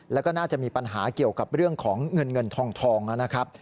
แล้วก็น่าจะมีปัญหาเกี่ยวกับเรื่องของเงินเงินทองนะครับ